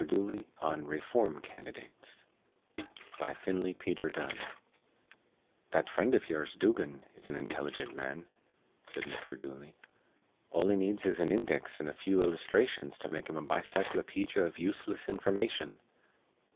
DOOLEY ON REFORM CANDIDATES BY FINLEY PETER DUNNE "That frind iv ye'ers, Dugan, is an intilligent man," said Mr. Dooley. "All he needs is an index an' a few illusthrations to make him a bicyclopedja iv useless information."